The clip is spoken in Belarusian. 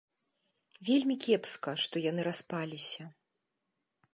Вельмі кепска, што яны распаліся.